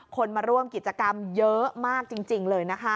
คนมาร่วมกิจกรรมเยอะมากจริงเลยนะคะ